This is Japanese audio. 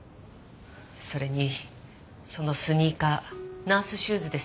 それにそのスニーカーナースシューズですよね？